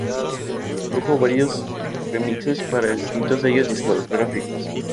Produjo varios remixes para distintos sellos discográficos.